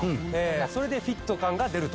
それでフィット感が出ると。